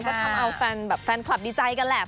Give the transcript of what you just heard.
ก็ทำเอาแฟนคลับดีใจกันแหละ